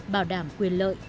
bảo đảm quyền lợi